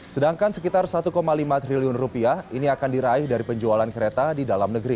sedangkan sekitar satu lima triliun rupiah ini akan diraih dari penjualan kereta di dalam negeri